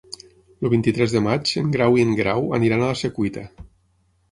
El vint-i-tres de maig en Grau i en Guerau aniran a la Secuita.